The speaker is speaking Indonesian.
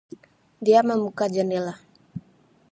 Dia membuka jendela.